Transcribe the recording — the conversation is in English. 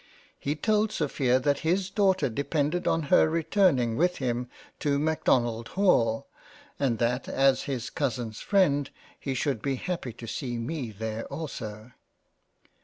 He told Sophia that his Daughter depended 01 her returning with him to Macdonald Hall, and that his Cousin's freind he should be happy to see me there also.